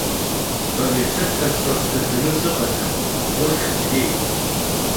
Бара ишыбҳәаҵәҟьо сгаӡаны сыҟаӡам, быххь згеит!